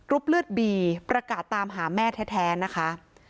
เลือดบีประกาศตามหาแม่แท้นะคะ